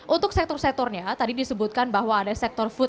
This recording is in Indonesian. untuk sektor sektornya tadi disebutkan bahwa ada sektor food